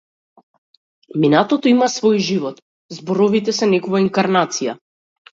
Минатото има свој живот, зборовите се негова инкарнација.